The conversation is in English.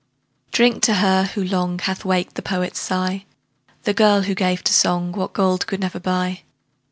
Drink to her, who long, Hath waked the poet's sigh. The girl, who gave to song What gold could never buy.